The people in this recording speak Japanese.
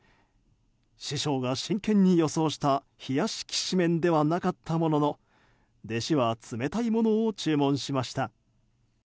師匠が真剣に予想した冷やしきしめんではなかったものの弟子は冷たいものを注文しました。